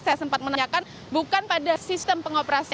saya sempat menanyakan bukan pada sistem pengoperasian